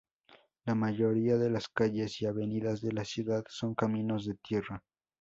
La mayoría de las calles y avenidas de la ciudad son caminos de tierra.